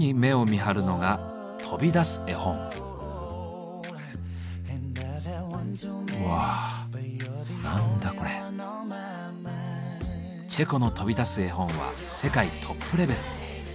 チェコの飛び出す絵本は世界トップレベル。